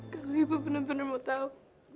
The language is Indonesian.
kalau ibu benar benar mau tahu